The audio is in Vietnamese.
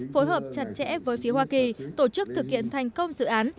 phối hợp chặt chẽ với phía hoa kỳ tổ chức thực hiện thành công dự án